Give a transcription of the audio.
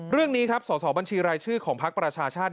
เรื่องนี้ครับสอสอบัญชีรายชื่อของพักประชาชาติ